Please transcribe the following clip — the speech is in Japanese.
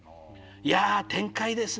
「いや展開ですね。